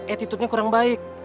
etitudenya kurang baik